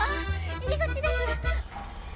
入口です。